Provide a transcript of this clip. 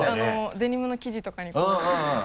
デニムの生地とかにうんうん。